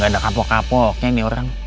gak ada kapok kapoknya nih orang